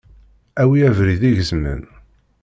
Awi abrid igezmen!